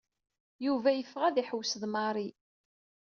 Yuba yeffeɣ ad iḥewwes d Marry.